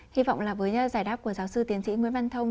hy vọng là với giải đáp của giáo sư tiến sĩ nguyễn văn thông